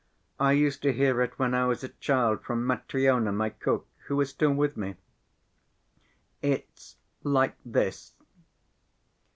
I used to hear it when I was a child from Matryona, my cook, who is still with me. It's like this.